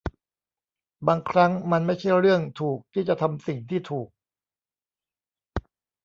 บางครั้งมันไม่ใช่เรื่องถูกที่จะทำสิ่งที่ถูก